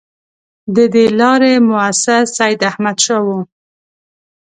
د دې لارې مؤسس سیداحمدشاه وو.